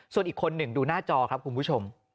ส่วนอีกคนหนึ่งดูหน้าจอครับคุณผู้ชม